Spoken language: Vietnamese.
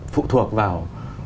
phụ thuộc vào